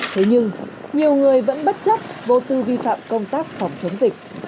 thế nhưng nhiều người vẫn bất chấp vô tư vi phạm công tác phòng chống dịch